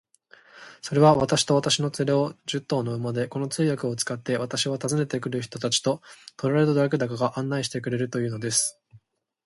それは、私と私の連れを、十頭の馬で、この通訳を使って、私は訪ねて来る人たちとトラルドラグダカまで案内してくれるというのです。